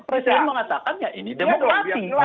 presiden mengatakan ya ini demokrasi